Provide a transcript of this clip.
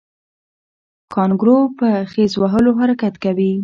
کانګارو په خیز وهلو حرکت کوي